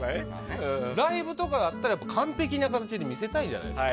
ライブとかだったら完璧な形で見せたいじゃないですか。